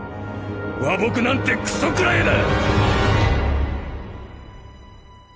和睦なんてクソ食らえだ！